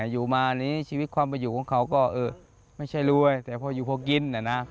อยู่มานี้ชีวิตความประหยุดของเขาก็ไม่ใช่รวยแต่พออยู่พวกกิน